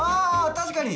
確かに！